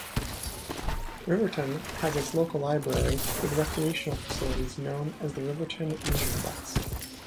Riverton has its local library with recreational facilities known as the Riverton Leisureplex.